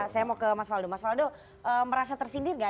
saya mau ke mas waldo mas waldo merasa tersindir nggak